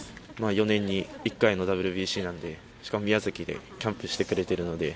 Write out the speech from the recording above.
４年に１回のＷＢＣなんで、しかも宮崎でキャンプしてくれてるので。